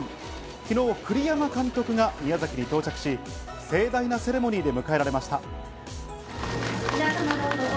昨日、栗山監督が宮崎に到着し、盛大なセレモニーで迎えられました。